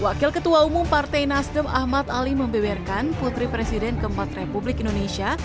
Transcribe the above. wakil ketua umum partai nasdem ahmad ali membeberkan putri presiden keempat republik indonesia